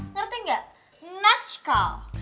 ngerti nggak natchkal